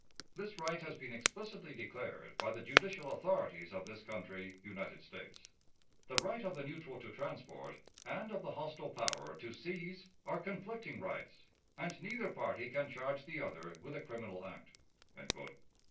This right has been explicitly declared by the judicial authorities of this country [United States]. The right of the neutral to transport, and of the hostile power to seize, are conflicting rights, and neither party can charge the other with a criminal act."